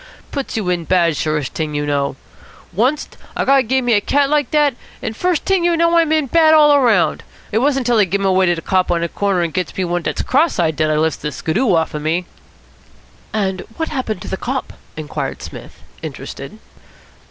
Puts you in bad, surest t'ing you know. Oncest a guy give me a cat like dat, and first t'ing you know I'm in bad all round. It wasn't till I give him away to de cop on de corner and gets me one dat's cross eyed dat I lifts de skiddoo off of me." "And what happened to the cop?" inquired Psmith, interested.